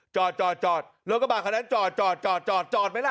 จอดจอดรถกระบาดคันนั้นจอดจอดจอดไหมล่ะ